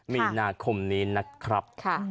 มีนาคมนี้นะครับ